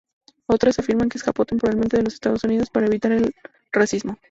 Otras afirman que escapó temporalmente de los Estados Unidos para evitar el racismo.